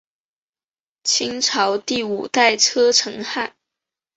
清朝第五代车臣汗。